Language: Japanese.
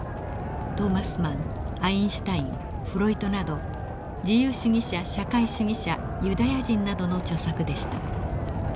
トーマス・マンアインシュタインフロイトなど自由主義者社会主義者ユダヤ人などの著作でした。